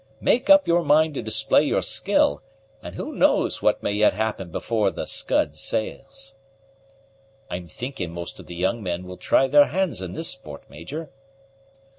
Make up your mind to display your skill, and who knows what may yet happen before the Scud sails." "I'm thinking most of the young men will try their hands in this sport, Major!"